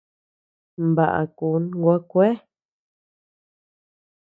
Baʼa kun gua kuea.